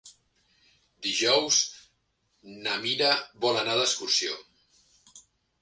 Dijous na Mira vol anar d'excursió.